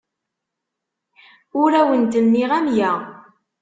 Ur awent-nniɣ amya.